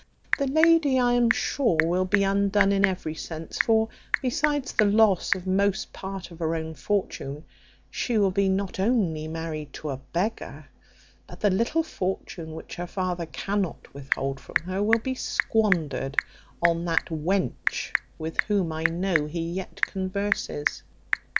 The lady, I am sure, will be undone in every sense; for, besides the loss of most part of her own fortune, she will be not only married to a beggar, but the little fortune which her father cannot withhold from her will be squandered on that wench with whom I know he yet converses.